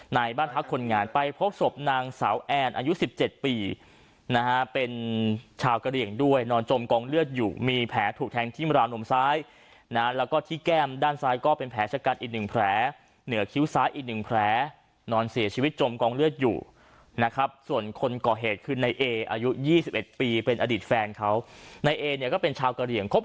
ในบ้านพักคนงานไปพบศพนางสาวแอนอายุ๑๗ปีนะฮะเป็นชาวกะเหลี่ยงด้วยนอนจมกองเลือดอยู่มีแผลถูกแทงที่ราวนมซ้ายนะแล้วก็ที่แก้มด้านซ้ายก็เป็นแผลชะกันอีกหนึ่งแผลเหนือคิ้วซ้ายอีกหนึ่งแผลนอนเสียชีวิตจมกองเลือดอยู่นะครับส่วนคนก่อเหตุคือในเออายุ๒๑ปีเป็นอดีตแฟนเขาในเอเนี่ยก็เป็นชาวกะเหลี่ย